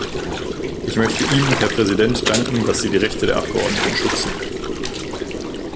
Ich möchte Ihnen, Herr Präsident, danken, dass Sie die Rechte der Abgeordneten schützen.